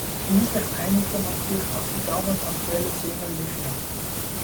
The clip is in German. Schließlich einigte man sich auf die damals aktuelle Single Lithium.